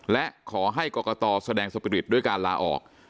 และขอให้กรกตแสดงสปิริตด้วยการลาออก